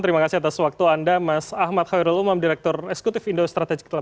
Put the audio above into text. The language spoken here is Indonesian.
terima kasih mas